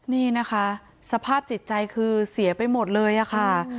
นี่นะคะสภาพจิตใจคือเสียไปหมดเลยค่ะ